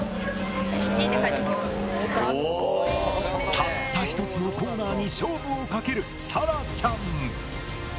たったひとつのコーナーに勝負をかけるさらちゃん。